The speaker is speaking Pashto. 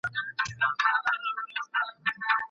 دا ترازو دئ.